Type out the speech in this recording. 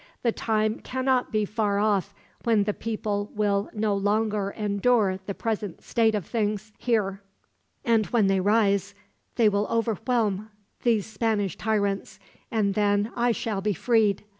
The time cannot be far off when the people will no longer endure the present state of things, here; and when they rise, they will overwhelm these Spanish tyrants, and then I shall be freed.